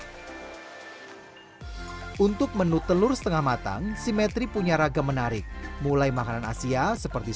untuk menu telur setengah matang simetri punya ragam menarik mulai makanan asia seperti